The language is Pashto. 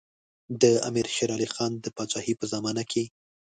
د امیر شېر علي خان د پاچاهۍ په زمانه کې.